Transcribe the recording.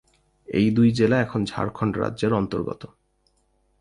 এই দুই জেলা এখন ঝাড়খণ্ড রাজ্যের অন্তর্গত।